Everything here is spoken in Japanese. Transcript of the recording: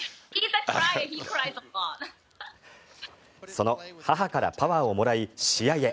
その母からパワーをもらい試合へ。